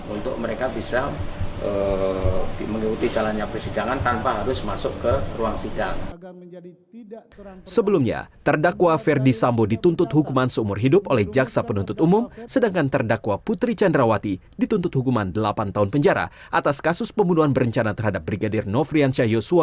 untuk mereka bisa mengikuti jalannya persidangan tanpa harus masuk ke ruang sidang